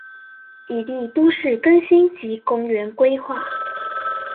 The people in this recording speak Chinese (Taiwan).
以利都市更新及公園規畫